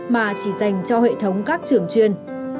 mà chỉ dành cho hệ thống các trường chuyên